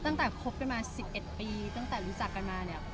ตั้งแต่คบกันมา๑๑ปีตั้งแต่รู้จักกันมาเนี่ย